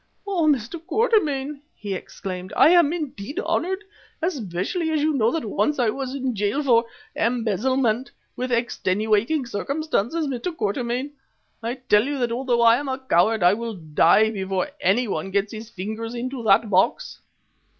"Oh! Mr. Quatermain," he exclaimed, "I am indeed honoured, especially as you know that once I was in jail for embezzlement with extenuating circumstances, Mr. Quatermain. I tell you that although I am a coward, I will die before anyone gets his fingers into that box."